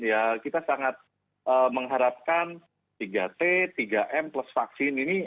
ya kita sangat mengharapkan tiga t tiga m plus vaksin ini